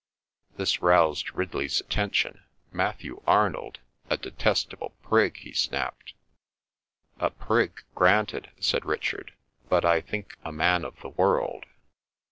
'" This roused Ridley's attention. "Matthew Arnold? A detestable prig!" he snapped. "A prig—granted," said Richard; "but, I think a man of the world.